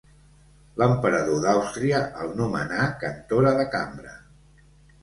L'emperador d'Àustria el nomenà cantora de cambra.